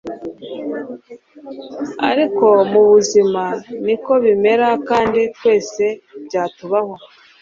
ariko mubuzima niko bimera kandi twese byatubaho